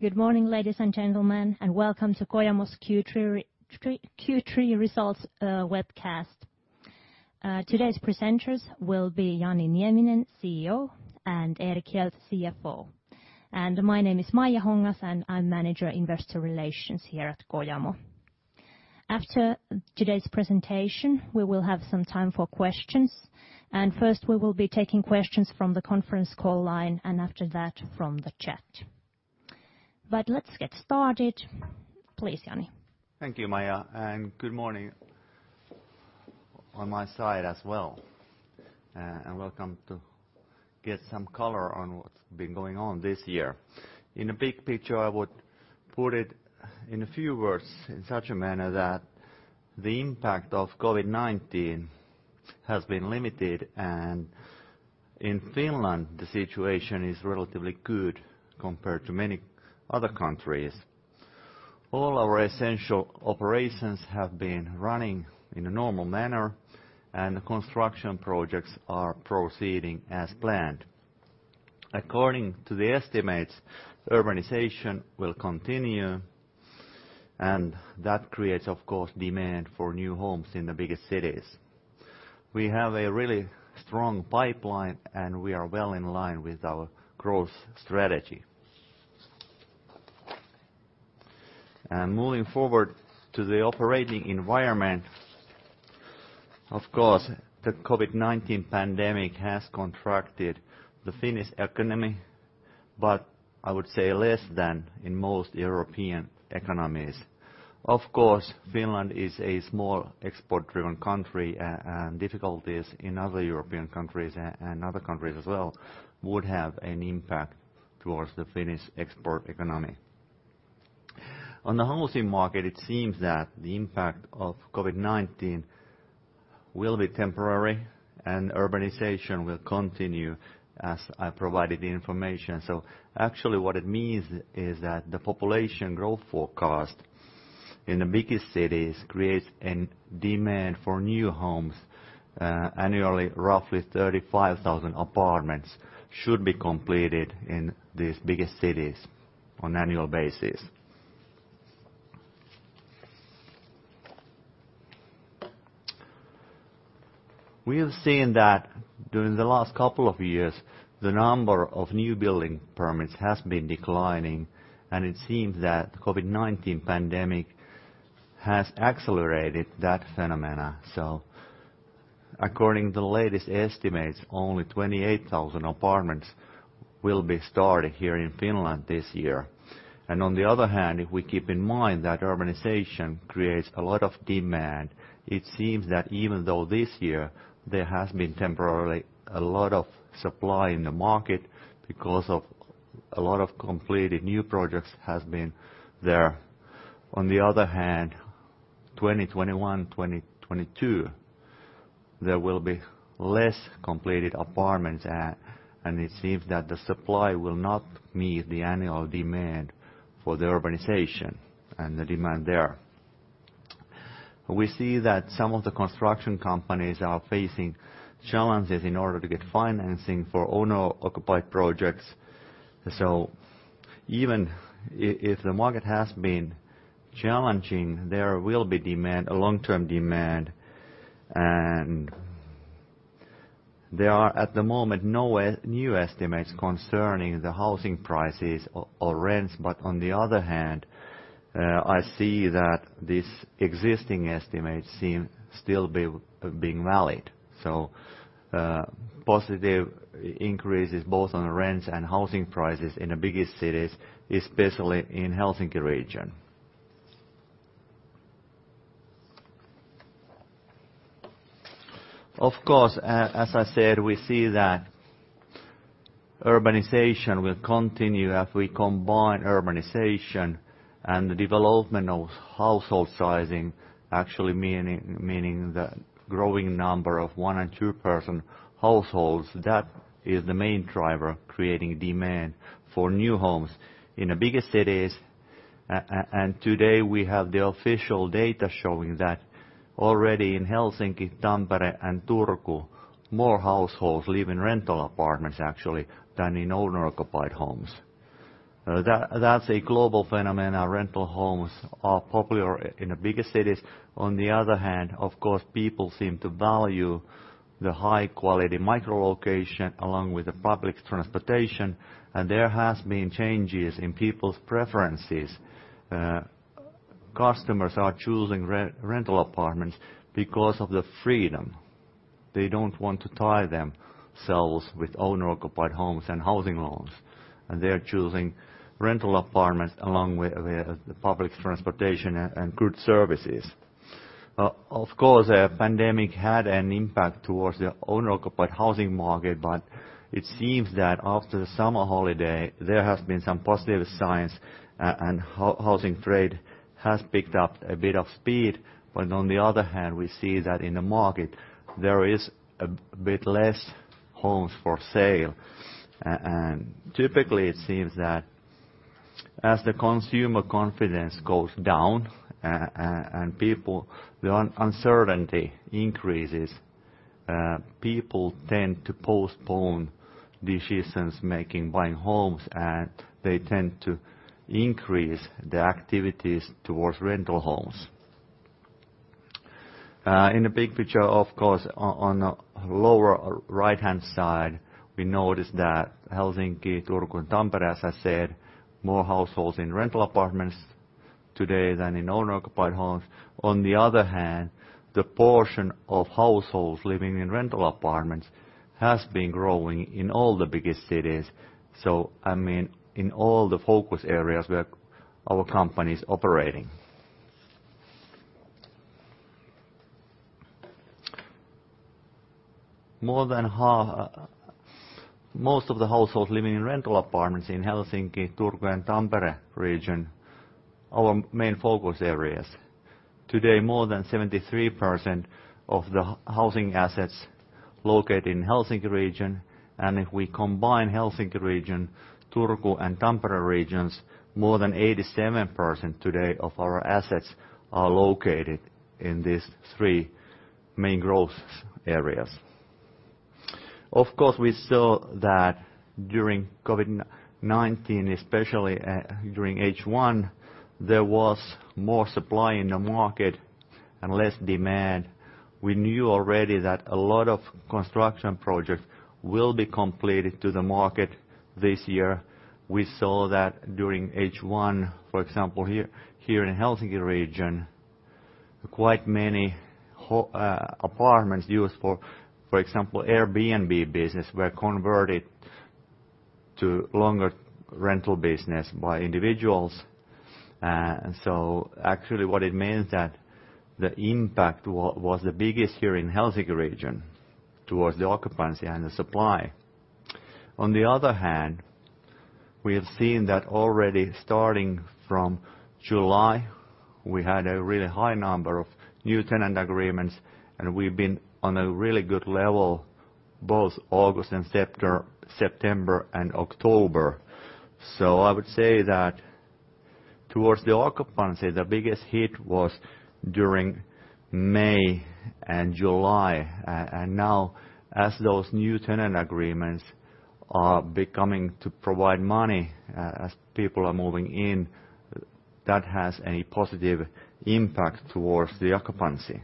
Good morning, ladies and gentlemen, and welcome to Kojamo's Q3 results webcast. Today's presenters will be Jani Nieminen, CEO, and Erik Hjelt, CFO. My name is Maija Hongas, and I'm Manager Investor Relations here at Kojamo. After today's presentation, we will have some time for questions. First, we will be taking questions from the conference call line, and after that, from the chat. Let's get started. Please, Jani. Thank you, Maija, and good morning on my side as well. Welcome to get some color on what's been going on this year. In a big picture, I would put it in a few words in such a manner that the impact of COVID-19 has been limited, and in Finland, the situation is relatively good compared to many other countries. All our essential operations have been running in a normal manner, and construction projects are proceeding as planned. According to the estimates, urbanization will continue, and that creates, of course, demand for new homes in the biggest cities. We have a really strong pipeline, and we are well in line with our growth strategy. Moving forward to the operating environment, of course, the COVID-19 pandemic has contracted the Finnish economy, but I would say less than in most European economies. Of course, Finland is a small export-driven country, and difficulties in other European countries and other countries as well would have an impact towards the Finnish export economy. On the housing market, it seems that the impact of COVID-19 will be temporary, and urbanization will continue as I provided the information. Actually, what it means is that the population growth forecast in the biggest cities creates a demand for new homes. Annually, roughly 35,000 apartments should be completed in these biggest cities on an annual basis. We have seen that during the last couple of years, the number of new building permits has been declining, and it seems that the COVID-19 pandemic has accelerated that phenomenon. According to the latest estimates, only 28,000 apartments will be started here in Finland this year. On the other hand, if we keep in mind that urbanization creates a lot of demand, it seems that even though this year there has been temporarily a lot of supply in the market because of a lot of completed new projects that have been there. On the other hand, 2021-2022, there will be less completed apartments, and it seems that the supply will not meet the annual demand for the urbanization and the demand there. We see that some of the construction companies are facing challenges in order to get financing for owner-occupied projects. Even if the market has been challenging, there will be demand, a long-term demand, and there are at the moment no new estimates concerning the housing prices or rents. On the other hand, I see that these existing estimates seem to still be being valid. Positive increases both on rents and housing prices in the biggest cities, especially in the Helsinki region. Of course, as I said, we see that urbanization will continue if we combine urbanization and the development of household sizing, actually meaning the growing number of one and two-person households. That is the main driver creating demand for new homes in the biggest cities. Today, we have the official data showing that already in Helsinki, Tampere, and Turku, more households live in rental apartments actually than in owner-occupied homes. That's a global phenomenon. Rental homes are popular in the biggest cities. On the other hand, of course, people seem to value the high-quality micro-location along with the public transportation, and there have been changes in people's preferences. Customers are choosing rental apartments because of the freedom. They do not want to tie themselves with owner-occupied homes and housing loans, and they are choosing rental apartments along with the public transportation and good services. Of course, the pandemic had an impact towards the owner-occupied housing market, but it seems that after the summer holiday, there have been some positive signs, and the housing trade has picked up a bit of speed. On the other hand, we see that in the market, there are a bit fewer homes for sale. Typically, it seems that as the consumer confidence goes down and the uncertainty increases, people tend to postpone decisions making buying homes, and they tend to increase the activities towards rental homes. In the big picture, of course, on the lower right-hand side, we notice that Helsinki, Turku, and Tampere, as I said, more households in rental apartments today than in owner-occupied homes. On the other hand, the portion of households living in rental apartments has been growing in all the biggest cities. I mean, in all the focus areas where our company is operating. Most of the households living in rental apartments in Helsinki, Turku, and Tampere region are our main focus areas. Today, more than 73% of the housing assets are located in the Helsinki region, and if we combine the Helsinki region, Turku, and Tampere regions, more than 87% today of our assets are located in these three main growth areas. Of course, we saw that during COVID-19, especially during H1, there was more supply in the market and less demand. We knew already that a lot of construction projects will be completed to the market this year. We saw that during H1, for example, here in the Helsinki region, quite many apartments used for, for example, the Airbnb business were converted to longer rental business by individuals. Actually, what it means is that the impact was the biggest here in the Helsinki region towards the occupancy and the supply. On the other hand, we have seen that already starting from July, we had a really high number of new tenant agreements, and we've been on a really good level both August and September and October. I would say that towards the occupancy, the biggest hit was during May and July. Now, as those new tenant agreements are becoming to provide money as people are moving in, that has a positive impact towards the occupancy.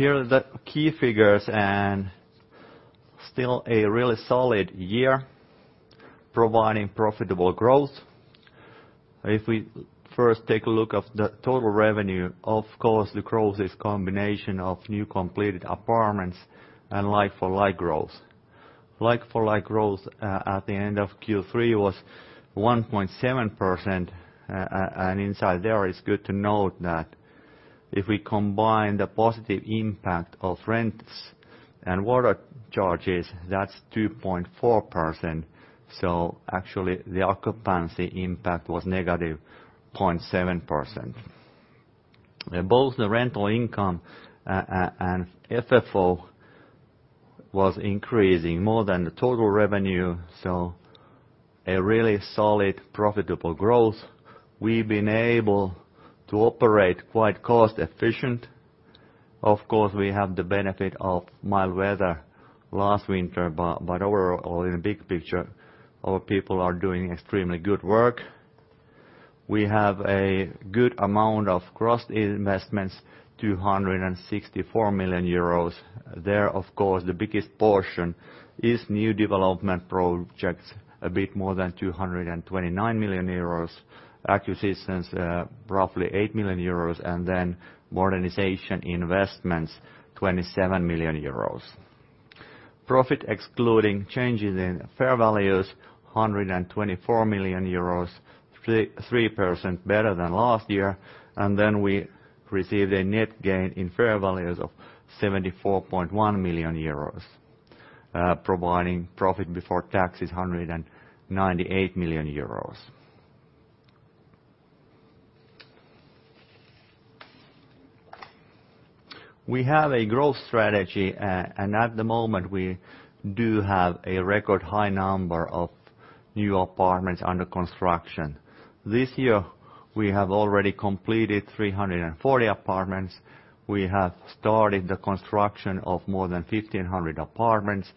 Here are the key figures. Still a really solid year providing profitable growth. If we first take a look at the total revenue, of course, the growth is a combination of new completed apartments and like-for-like growth. Like-for-like growth at the end of Q3 was 1.7%, and inside there it's good to note that if we combine the positive impact of rents and water charges, that's 2.4%. Actually, the occupancy impact was negative 0.7%. Both the rental income and FFO was increasing more than the total revenue, so a really solid profitable growth. We've been able to operate quite cost-efficient. Of course, we have the benefit of mild weather last winter, but overall, in the big picture, our people are doing extremely good work. We have a good amount of cross-investments, 264 million euros. There, of course, the biggest portion is new development projects, a bit more than 229 million euros, acquisitions roughly 8 million euros, and then modernization investments, 27 million euros. Profit excluding changes in fair values, 124 million euros, 3% better than last year, and then we received a net gain in fair values of 74.1 million euros, providing profit before taxes 198 million euros. We have a growth strategy, and at the moment, we do have a record high number of new apartments under construction. This year, we have already completed 340 apartments. We have started the construction of more than 1,500 apartments,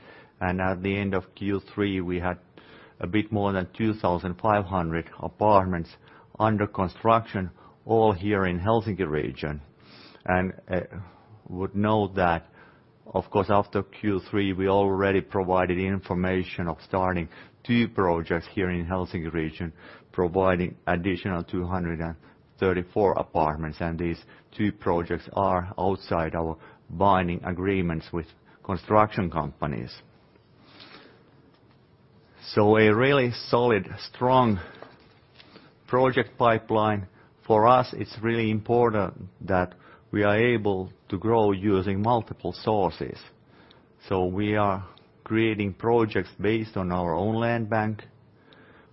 and at the end of Q3, we had a bit more than 2,500 apartments under construction, all here in the Helsinki region. I would note that, of course, after Q3, we already provided information of starting two projects here in the Helsinki region, providing additional 234 apartments, and these two projects are outside our binding agreements with construction companies. A really solid, strong project pipeline. For us, it's really important that we are able to grow using multiple sources. We are creating projects based on our own land bank.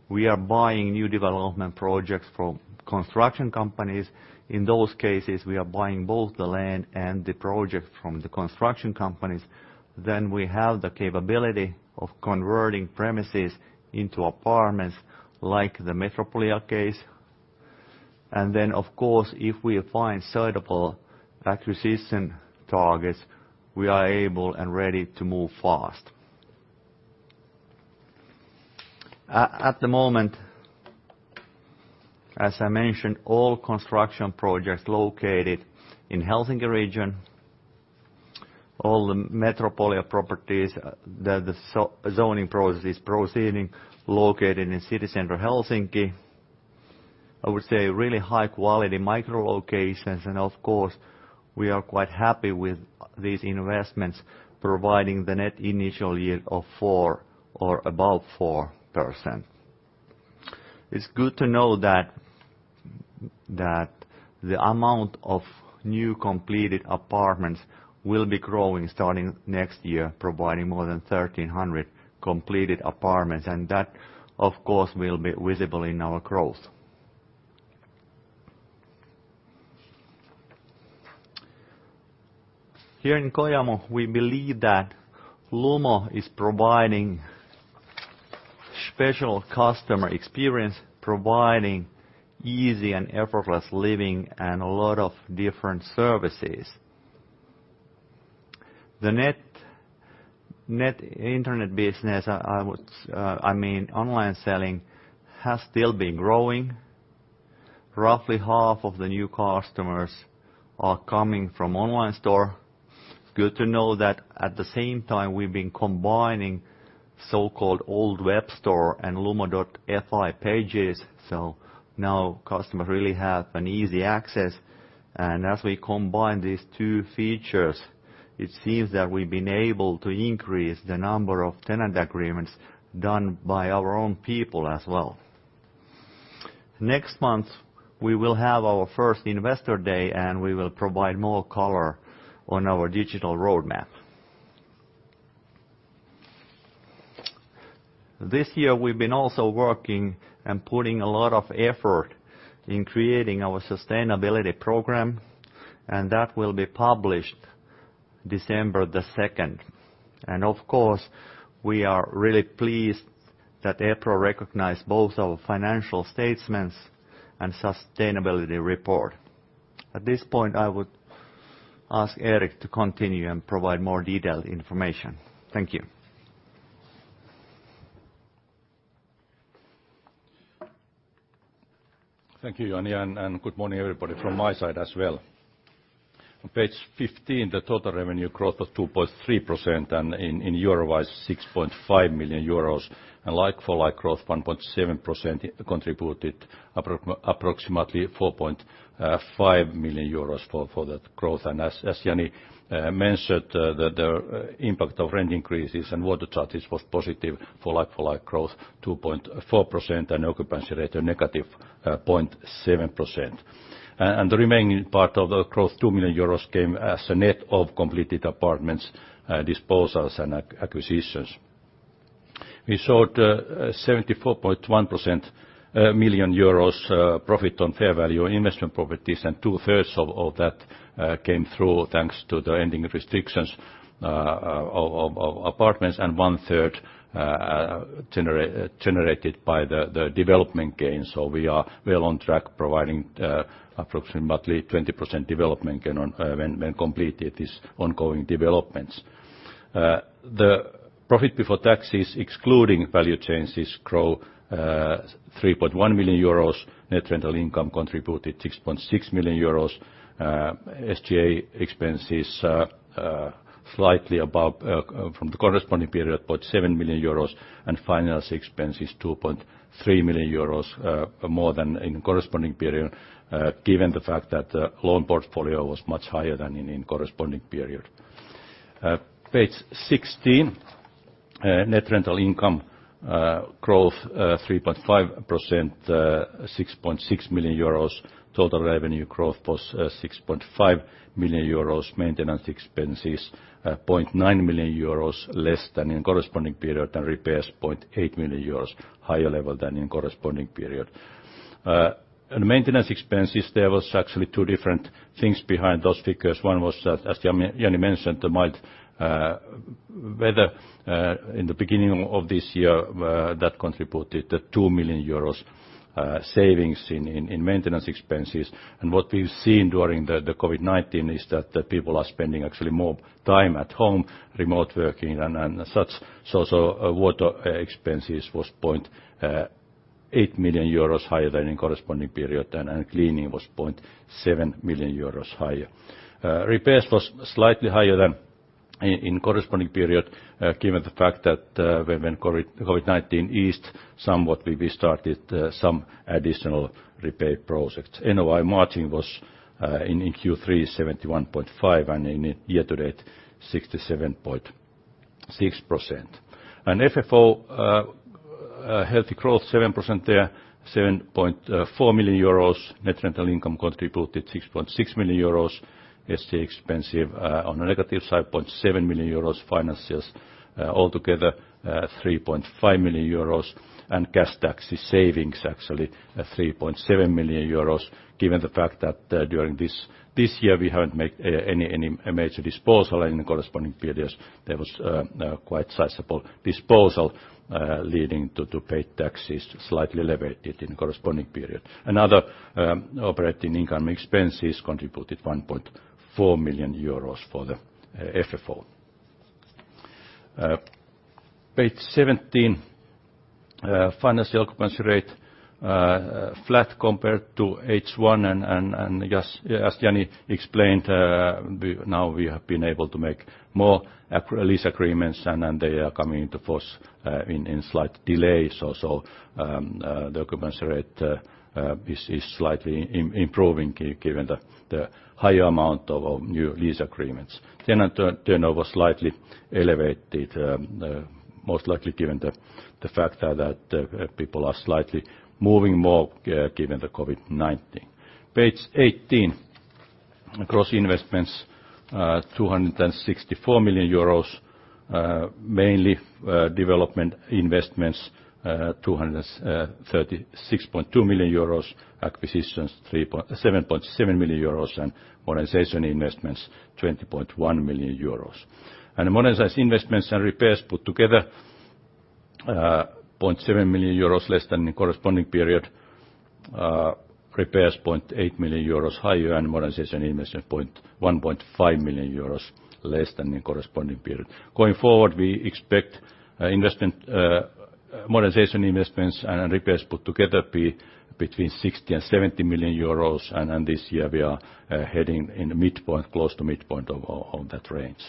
We are buying new development projects from construction companies. In those cases, we are buying both the land and the project from the construction companies. We have the capability of converting premises into apartments like the Metropolia case. Of course, if we find suitable acquisition targets, we are able and ready to move fast. At the moment, as I mentioned, all construction projects are located in the Helsinki region, all the Metropolia properties that the zoning process is proceeding, located in city center Helsinki. I would say really high-quality micro-locations, and we are quite happy with these investments, providing the net initial yield of 4% or above 4%. It's good to know that the amount of new completed apartments will be growing starting next year, providing more than 1,300 completed apartments, and that, of course, will be visible in our growth. Here in Kojamo, we believe that Lumo is providing special customer experience, providing easy and effortless living and a lot of different services. The net internet business, I mean online selling, has still been growing. Roughly half of the new customers are coming from online store. Good to know that at the same time, we've been combining so-called old web store and Lumo.fi pages, so now customers really have easy access. As we combine these two features, it seems that we've been able to increase the number of tenant agreements done by our own people as well. Next month, we will have our first investor day, and we will provide more color on our digital roadmap. This year, we've been also working and putting a lot of effort in creating our sustainability program, and that will be published December 2nd. Of course, we are really pleased that EPRA recognized both our financial statements and sustainability report. At this point, I would ask Erik to continue and provide more detailed information. Thank you. Thank you, Jani, and good morning everybody from my side as well. On page 15, the total revenue growth was 2.3%, and in euro wise, 6.5 million euros, and like-for-like growth 1.7% contributed approximately 4.5 million euros for that growth. As Jani mentioned, the impact of rent increases and water charges was positive for like-for-like growth 2.4% and occupancy rate a negative 0.7%. The remaining part of the growth, 2 million euros, came as a net of completed apartments, disposals, and acquisitions. We showed 74.1 million euros profit on fair value investment properties, and two-thirds of that came through thanks to the ending restrictions of apartments, and one-third generated by the development gains. We are well on track providing approximately 20% development gain when completing these ongoing developments. The profit before taxes, excluding value changes, grew 3.1 million euros. Net rental income contributed 6.6 million euros. SGA expenses slightly above from the corresponding period, 0.7 million euros, and finance expenses 2.3 million euros more than in the corresponding period, given the fact that the loan portfolio was much higher than in the corresponding period. Page 16, net rental income growth 3.5%, 6.6 million euros. Total revenue growth was 6.5 million euros. Maintenance expenses 0.9 million euros less than in the corresponding period, and repairs 0.8 million euros, higher level than in the corresponding period. Maintenance expenses, there were actually two different things behind those figures. One was, as Jani mentioned, the mild weather in the beginning of this year that contributed 2 million euros savings in maintenance expenses. What we've seen during the COVID-19 is that people are spending actually more time at home, remote working, and such. Water expenses was 0.8 million euros higher than in the corresponding period, and cleaning was 0.7 million euros higher. Repairs was slightly higher than in the corresponding period, given the fact that when COVID-19 eased somewhat, we started some additional repair projects. NOI margin was in Q3 71.5%, and in year to date, 67.6%. FFO, healthy growth 7% there, 7.4 million euros. Net rental income contributed 6.6 million euros. SGA expensive on a negative side, 0.7 million euros. Finances altogether 3.5 million euros, and cash taxes savings actually 3.7 million euros, given the fact that during this year we have not made any major disposal. In the corresponding periods, there was quite sizable disposal leading to paid taxes slightly elevated in the corresponding period. Another operating income expenses contributed 1.4 million euros for the FFO. Page 17, financial occupancy rate flat compared to H1, and as Jani explained, now we have been able to make more lease agreements, and they are coming into force in slight delay. The occupancy rate is slightly improving given the higher amount of new lease agreements. Tenant turnover slightly elevated, most likely given the fact that people are slightly moving more given the COVID-19. Page 18, gross investments 264 million euros, mainly development investments 236.2 million euros, acquisitions EUR 7.7 million, and modernization investments 20.1 million euros. Modernization investments and repairs put together 0.7 million euros less than in the corresponding period. Repairs 0.8 million euros higher, and modernization investments 1.5 million euros less than in the corresponding period. Going forward, we expect modernization investments and repairs put together to be between EUR 60 million-EUR 70 million, and this year we are heading in the midpoint, close to midpoint of that range.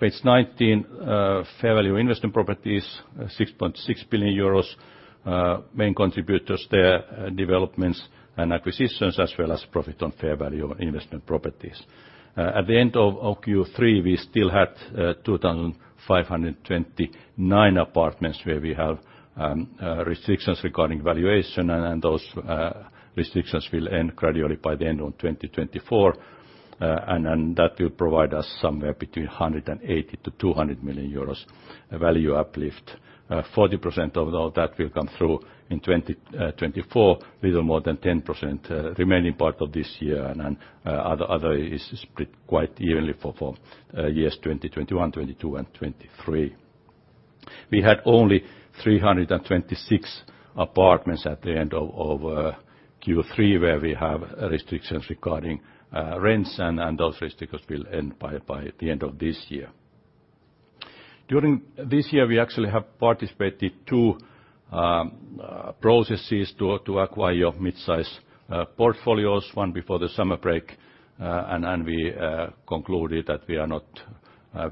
Page 19, fair value investment properties, 6.6 billion euros. Main contributors there, developments and acquisitions, as well as profit on fair value investment properties. At the end of Q3, we still had 2,529 apartments where we have restrictions regarding valuation, and those restrictions will end gradually by the end of 2024, and that will provide us somewhere between 180 million-200 million euros value uplift. 40% of that will come through in 2024, a little more than 10% remaining part of this year, and other is split quite evenly for years 2021, 2022, and 2023. We had only 326 apartments at the end of Q3 where we have restrictions regarding rents, and those restrictions will end by the end of this year. During this year, we actually have participated in two processes to acquire mid-size portfolios, one before the summer break, and we concluded that we are not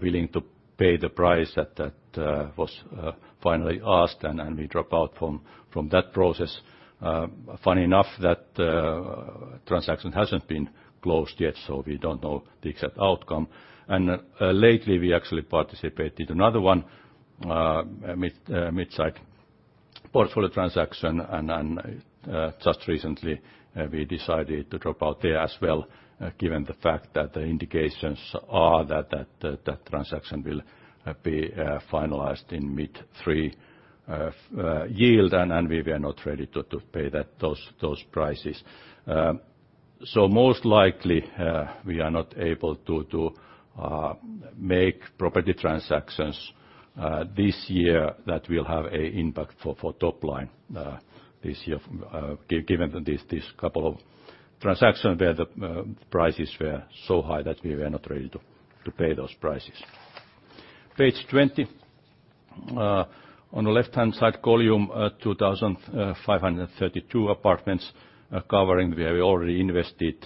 willing to pay the price that was finally asked, and we dropped out from that process. Funny enough, that transaction has not been closed yet, so we do not know the exact outcome. Lately, we actually participated in another one mid-size portfolio transaction, and just recently, we decided to drop out there as well, given the fact that the indications are that that transaction will be finalized in mid-3% yield, and we were not ready to pay those prices. Most likely, we are not able to make property transactions this year that will have an impact for top line this year, given these couple of transactions where the prices were so high that we were not ready to pay those prices. Page 20, on the left-hand side column, 2,532 apartments covering where we already invested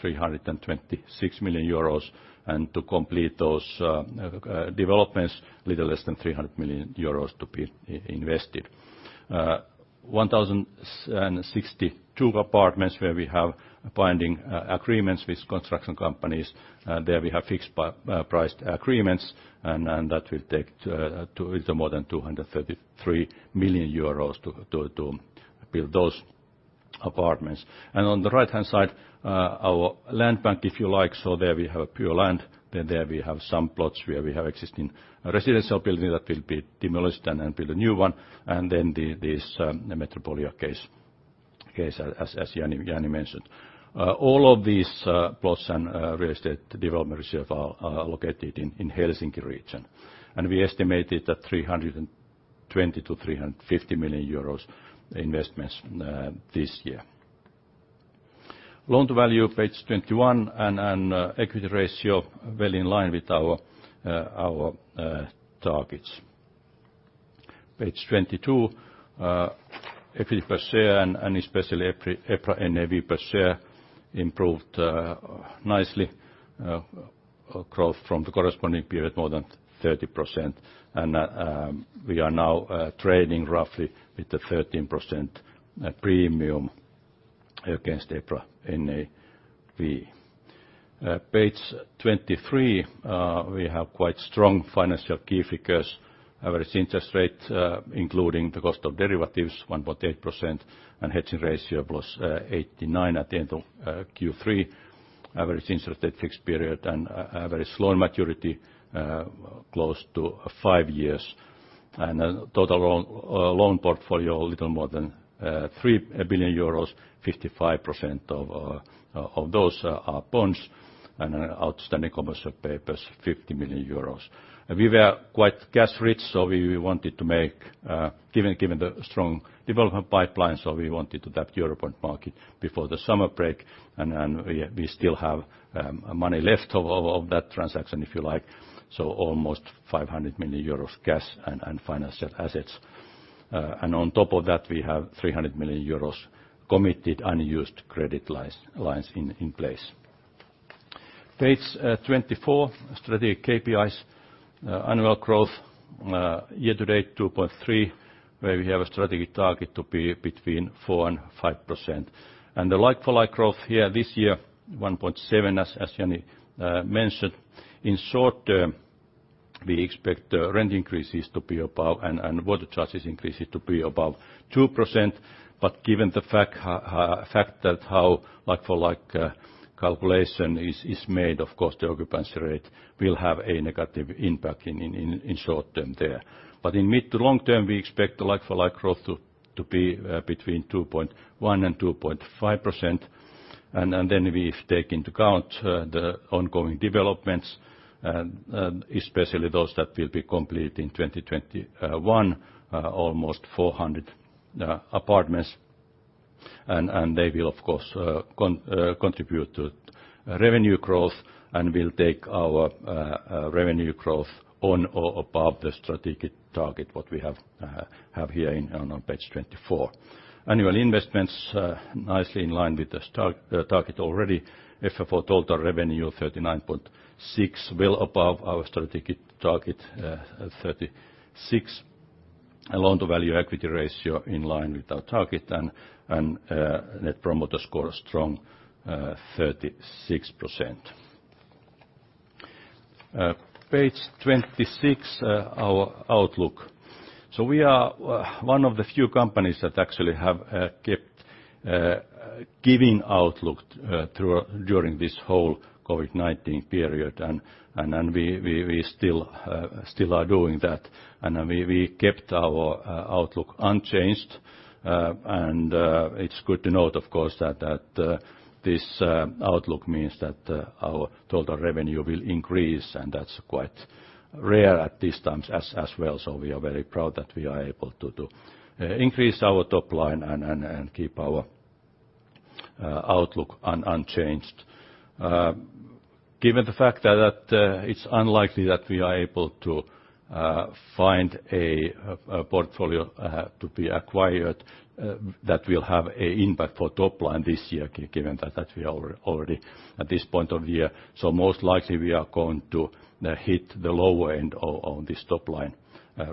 326 million euros, and to complete those developments, a little less than 300 million euros to be invested. 1,062 apartments where we have binding agreements with construction companies. There we have fixed price agreements, and that will take a little more than 233 million euros to build those apartments. On the right-hand side, our land bank, if you like, so there we have pure land. Then there we have some plots where we have existing residential building that will be demolished and build a new one, and then this Metropolia case, as Jani mentioned. All of these plots and real estate development reserves are located in the Helsinki region, and we estimated that 320 million-350 million euros investments this year. Loan to value, page 21, and equity ratio well in line with our targets. Page 22, equity per share, and especially EPRA NAV and EV per share improved nicely. Growth from the corresponding period more than 30%, and we are now trading roughly with a 13% premium against EPRA NAV and EV. Page 23, we have quite strong financial key figures. Average interest rate, including the cost of derivatives, 1.8%, and hedging ratio was 89% at the end of Q3. Average interest at fixed period and average loan maturity close to five years. Total loan portfolio, a little more than 3 billion euros, 55% of those are bonds, and outstanding commercial papers, 50 million euros. We were quite cash rich, given the strong development pipeline, so we wanted to tap the European market before the summer break, and we still have money left of that transaction, if you like, so almost 500 million euros cash and financial assets. On top of that, we have 300 million euros committed unused credit lines in place. Page 24, strategic KPIs, annual growth year to date 2.3%, where we have a strategic target to be between 4-5%. The like-for-like growth here this year, 1.7%, as Jani mentioned. In short term, we expect rent increases to be above and water charges increases to be above 2%, but given the fact that how like-for-like calculation is made, of course, the occupancy rate will have a negative impact in short term there. In mid-to-long term, we expect like-for-like growth to be between 2.1-2.5%, and then we've taken into account the ongoing developments, especially those that will be completed in 2021, almost 400 apartments, and they will, of course, contribute to revenue growth and will take our revenue growth on or above the strategic target what we have here on page 24. Annual investments, nicely in line with the target already. FFO total revenue 39.6 million, well above our strategic target 36 million. Loan to value equity ratio in line with our target, and net promoter score strong, 36%. Page 26, our outlook. We are one of the few companies that actually have kept giving outlook during this whole COVID-19 period, and we still are doing that, and we kept our outlook unchanged. It's good to note, of course, that this outlook means that our total revenue will increase, and that's quite rare at these times as well, so we are very proud that we are able to increase our top line and keep our outlook unchanged. Given the fact that it's unlikely that we are able to find a portfolio to be acquired that will have an impact for top line this year, given that we are already at this point of the year, so most likely we are going to hit the lower end on this top line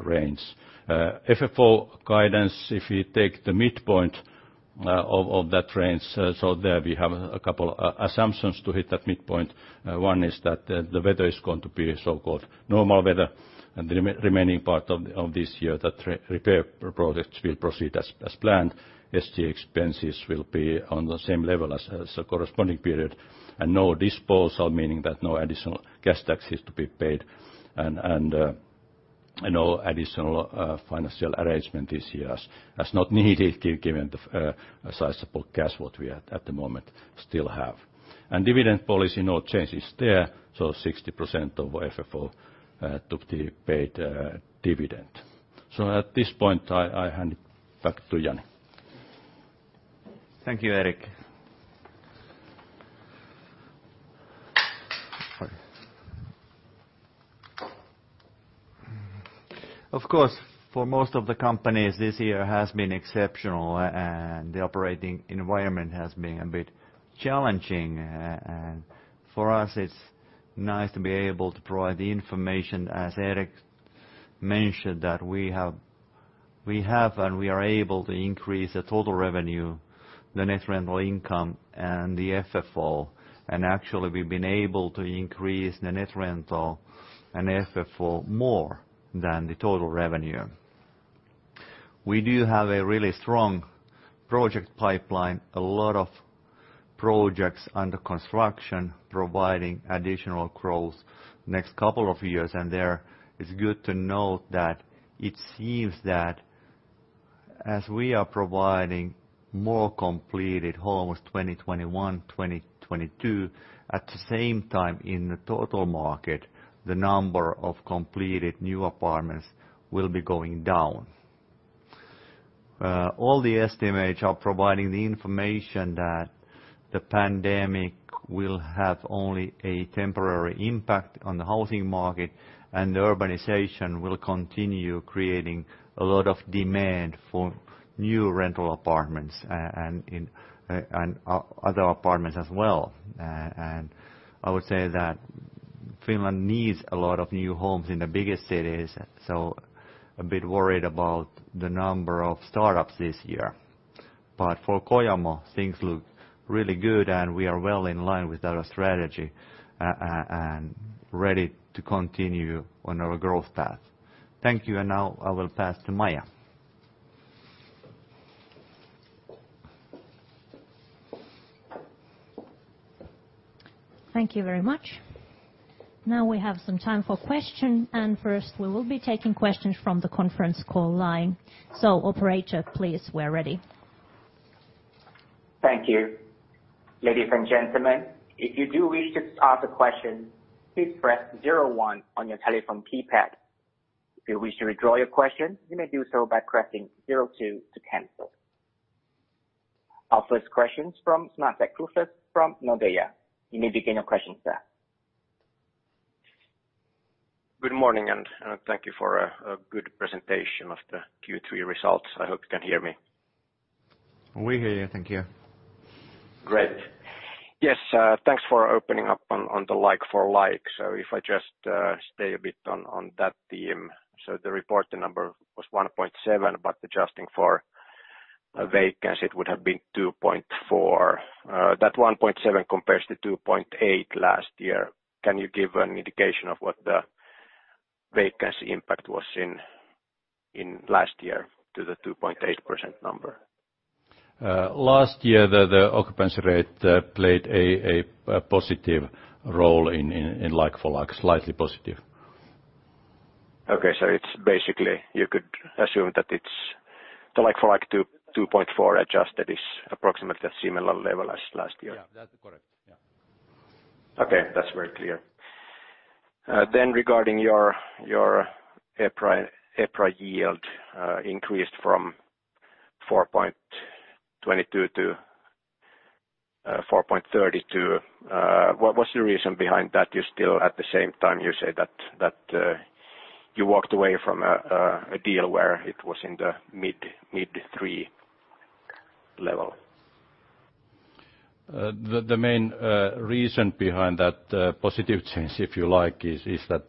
range. FFO guidance, if we take the midpoint of that range, there we have a couple of assumptions to hit that midpoint. One is that the weather is going to be so-called normal weather, and the remaining part of this year that repair projects will proceed as planned. SGA expenses will be on the same level as the corresponding period, and no disposal, meaning that no additional cash taxes to be paid, and no additional financial arrangement this year as not needed, given the sizable cash what we at the moment still have. Dividend policy, no change is there, so 60% of FFO to be paid dividend. At this point, I hand it back to Jani. Thank you, Erik. Of course, for most of the companies, this year has been exceptional, and the operating environment has been a bit challenging. For us, it's nice to be able to provide the information, as Erik mentioned, that we have and we are able to increase the total revenue, the net rental income, and the FFO, and actually we've been able to increase the net rental and FFO more than the total revenue. We do have a really strong project pipeline, a lot of projects under construction providing additional growth next couple of years, and there it's good to note that it seems that as we are providing more completed homes 2021, 2022, at the same time in the total market, the number of completed new apartments will be going down. All the estimates are providing the information that the pandemic will have only a temporary impact on the housing market, and the urbanization will continue creating a lot of demand for new rental apartments and other apartments as well. I would say that Finland needs a lot of new homes in the biggest cities, so a bit worried about the number of startups this year. For Kojamo, things look really good, and we are well in line with our strategy and ready to continue on our growth path. Thank you, and now I will pass to Maija. Thank you very much. Now we have some time for questions, and first we will be taking questions from the conference call line. Operator, please, we're ready. Thank you. Ladies and gentlemen, if you do wish to ask a question, please press zero one on your telephone keypad. If you wish to withdraw your question, you may do so by pressing zero two to cancel. Our first question is from Sampo Tukiainen from Nordea. You may begin your question, sir. Good morning, and thank you for a good presentation of the Q3 results. I hope you can hear me. We hear you, thank you. Great. Yes, thanks for opening up on the like-for-like. If I just stay a bit on that theme, the report number was 1.7, but adjusting for vacancy, it would have been 2.4. That 1.7 compares to 2.8 last year. Can you give an indication of what the vacancy impact was in last year to the 2.8% number? Last year, the occupancy rate played a positive role in like-for-like, slightly positive. Okay, so basically you could assume that the like-for-like 2.4 adjusted is approximately at similar level as last year. Yeah, that's correct. That's very clear. Regarding your EPRA yield increased from 4.22% to 4.32%, what's the reason behind that? You still at the same time say that you walked away from a deal where it was in the mid-three level. The main reason behind that positive change, if you like, is that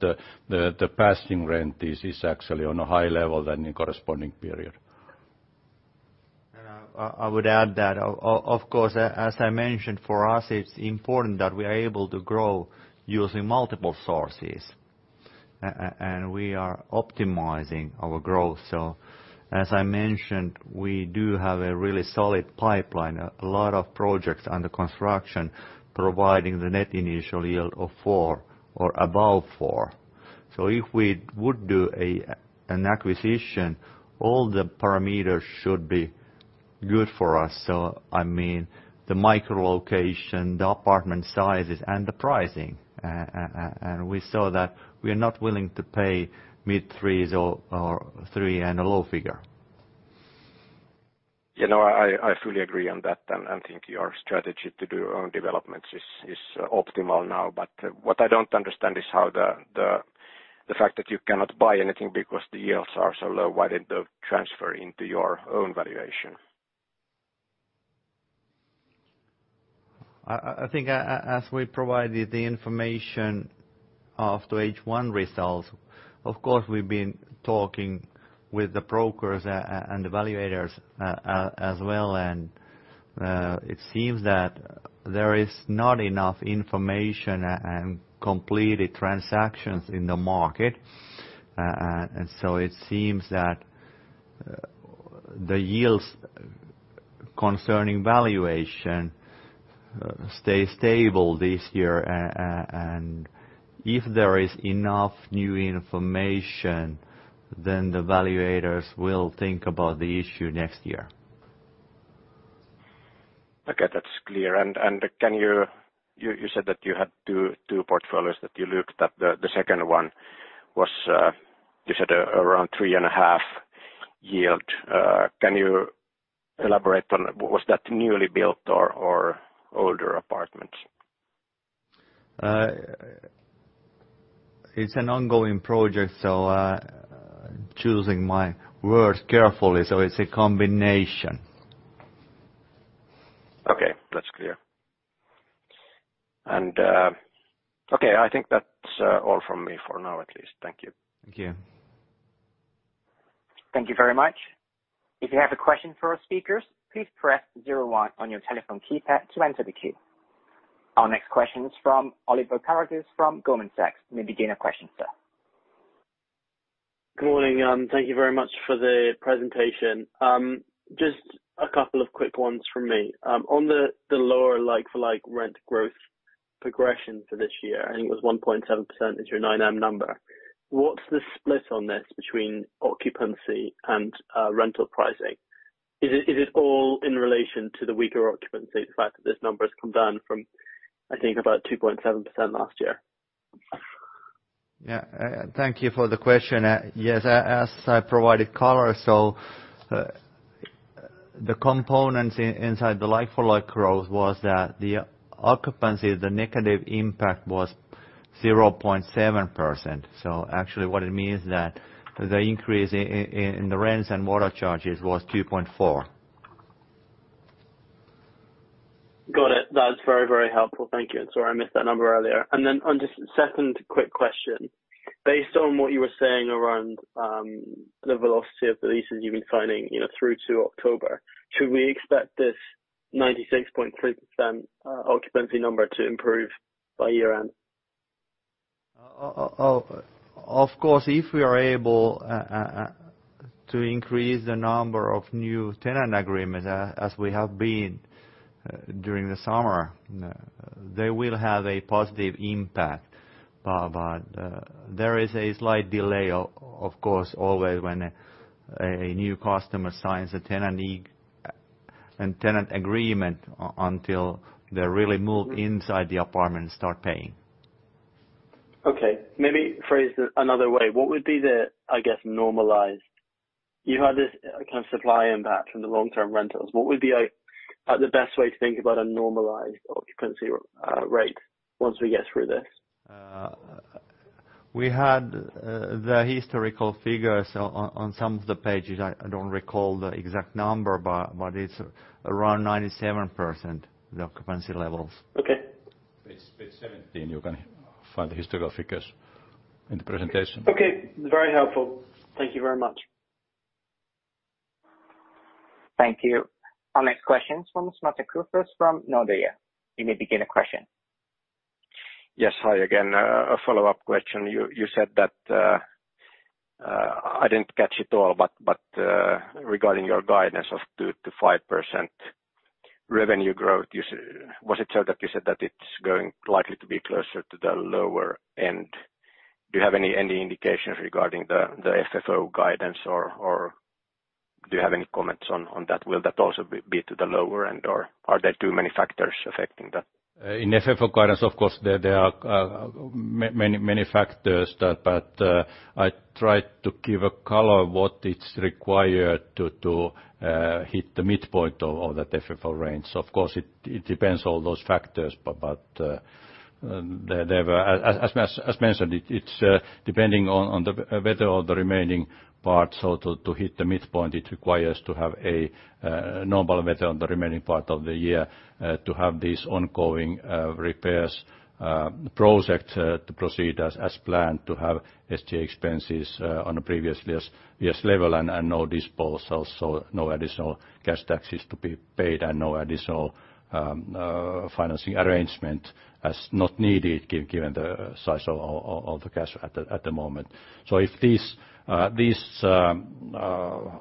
the passing rent is actually on a high level than in corresponding period. I would add that, of course, as I mentioned, for us, it's important that we are able to grow using multiple sources, and we are optimizing our growth. As I mentioned, we do have a really solid pipeline, a lot of projects under construction providing the net initial yield of 4% or above 4%. If we would do an acquisition, all the parameters should be good for us. The micro-location, the apartment sizes, and the pricing. We saw that we are not willing to pay mid-threes or three and a low figure. I fully agree on that, and I think your strategy to do own developments is optimal now. What I do not understand is how the fact that you cannot buy anything because the yields are so low, why did not they transfer into your own valuation? I think as we provided the information after H1 results, of course, we have been talking with the brokers and the valuators as well, and it seems that there is not enough information and completed transactions in the market. It seems that the yields concerning valuation stay stable this year, and if there is enough new information, then the valuators will think about the issue next year. Okay, that is clear. You said that you had two portfolios that you looked at. The second one was, you said, around three and a half yield. Can you elaborate on was that newly built or older apartments? It's an ongoing project, so choosing my words carefully, so it's a combination. Okay, that's clear. I think that's all from me for now, at least. Thank you. Thank you. Thank you very much. If you have a question for our speakers, please press zero one on your telephone keypad to enter the queue. Our next question is from Oliver Karatus from Goldman Sachs. You may begin your question, sir. Good morning, and thank you very much for the presentation. Just a couple of quick ones from me. On the lower like-for-like rent growth progression for this year, I think it was 1.7% is your 9M number. What's the split on this between occupancy and rental pricing? Is it all in relation to the weaker occupancy, the fact that this number has come down from, I think, about 2.7% last year? Thank you for the question. Yes, as I provided colors, the components inside the like-for-like growth was that the occupancy, the negative impact was 0.7%. Actually, what it means is that the increase in the rents and water charges was 2.4%. Got it. That's very, very helpful. Thank you. Sorry, I missed that number earlier. On just a second quick question, based on what you were saying around the velocity of the leases you've been signing through to October, should we expect this 96.3% occupancy number to improve by year end? Of course, if we are able to increase the number of new tenant agreements as we have been during the summer, they will have a positive impact. There is a slight delay, of course, always when a new customer signs a tenant agreement until they really move inside the apartment and start paying. Okay. Maybe phrase it another way. What would be the, I guess, normalized, you had this kind of supply impact from the long-term rentals. What would be the best way to think about a normalized occupancy rate once we get through this? We had the historical figures on some of the pages. I do not recall the exact number, but it is around 97% the occupancy levels. Okay. It is 17. You can find the historical figures in the presentation. Okay. Very helpful. Thank you very much. Thank you. Our next question is from Sampo Tukiainen from Nordea. You may begin a question. Yes, hi again. A follow-up question. You said that I didn't catch it all, but regarding your guidance of 2-5% revenue growth, was it so that you said that it's going likely to be closer to the lower end? Do you have any indications regarding the FFO guidance, or do you have any comments on that? Will that also be to the lower end, or are there too many factors affecting that? In FFO guidance, of course, there are many factors, but I tried to give a color of what it's required to hit the midpoint of that FFO range. Of course, it depends on all those factors, but as mentioned, it's depending on the weather of the remaining part. To hit the midpoint, it requires to have a normal weather on the remaining part of the year to have these ongoing repairs projects to proceed as planned, to have SGA expenses on a previous level and no disposals, so no additional cash taxes to be paid and no additional financing arrangement as not needed given the size of the cash at the moment. If these will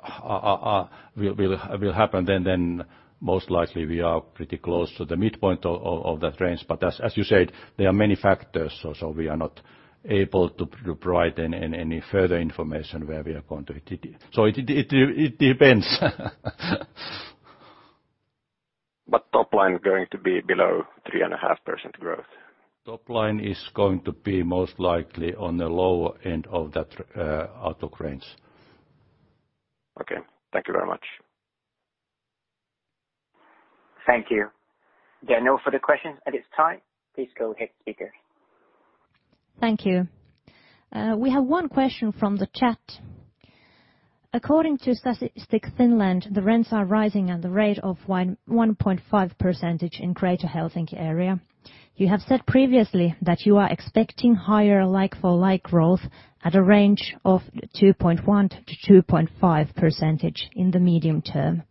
happen, then most likely we are pretty close to the midpoint of that range. As you said, there are many factors, so we are not able to provide any further information where we are going to. It depends. Top line going to be below 3.5% growth? Top line is going to be most likely on the lower end of that outlook range. Okay. Thank you very much. Thank you. There are no further questions at this time. Please go ahead, speakers. Thank you. We have one question from the chat. According to Statistics Finland, the rents are rising at the rate of 1.5% in Greater Helsinki area. You have said previously that you are expecting higher like-for-like growth at a range of 2.1-2.5% in the medium term.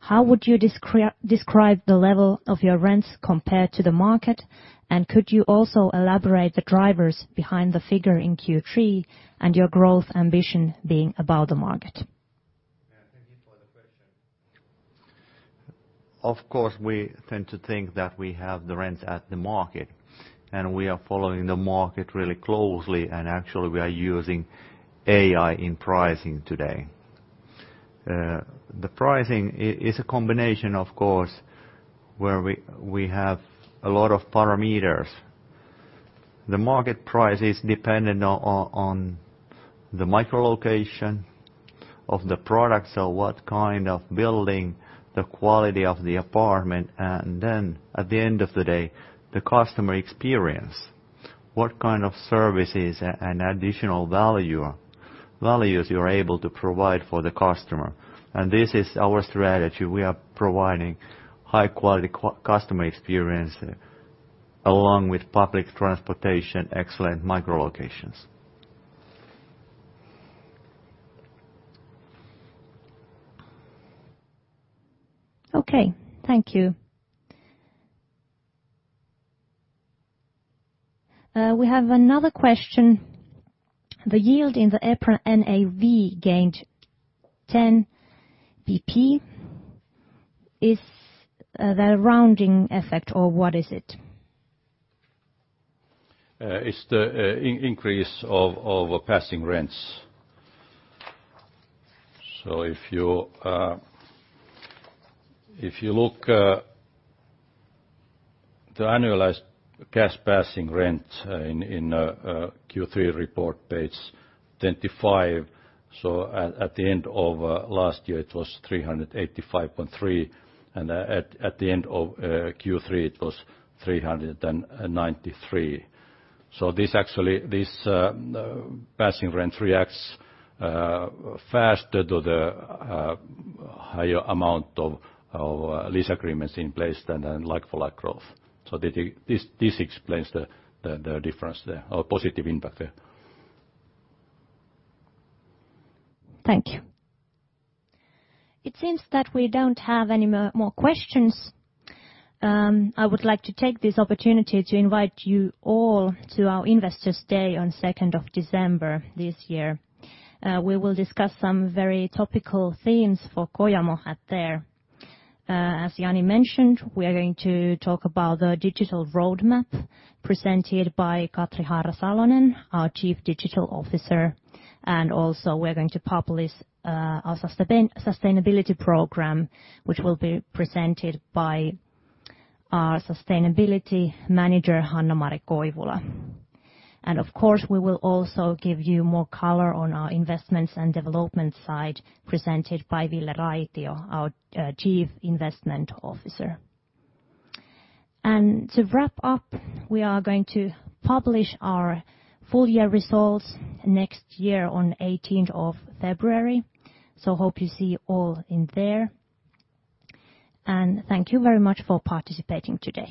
How would you describe the level of your rents compared to the market, and could you also elaborate the drivers behind the figure in Q3 and your growth ambition being above the market? Of course, we tend to think that we have the rents at the market, and we are following the market really closely, and actually we are using AI in pricing today. The pricing is a combination, of course, where we have a lot of parameters. The market price is dependent on the micro-location of the product, so what kind of building, the quality of the apartment, and then at the end of the day, the customer experience, what kind of services and additional values you are able to provide for the customer. This is our strategy. We are providing high-quality customer experience along with public transportation, excellent micro-locations. Okay. Thank you. We have another question. The yield in the EPRA NAV gained 10 percentage points. Is that a rounding effect, or what is it? It is the increase of passing rents. If you look at the annualized cash passing rent in Q3 report page 25, at the end of last year it was 385.3, and at the end of Q3 it was 393. This passing rent reacts faster to the higher amount of lease agreements in place than like-for-like growth. This explains the difference there, or positive impact there. Thank you. It seems that we do not have any more questions. I would like to take this opportunity to invite you all to our investors' day on 2nd of December this year. We will discuss some very topical themes for Kojamo at there. As Jani mentioned, we are going to talk about the digital roadmap presented by Katri Haarra Salonen, our Chief Digital Officer, and also we are going to publish our sustainability program, which will be presented by our Sustainability Manager, Hanna-Mari Koivula. Of course, we will also give you more color on our investments and development side presented by Ville Raitio, our Chief Investment Officer. To wrap up, we are going to publish our full year results next year on 18th of February. Hope you see all in there. Thank you very much for participating today.